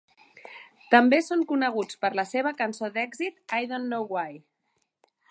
També són coneguts per la seva cançó d'èxit "I Don't Know Why".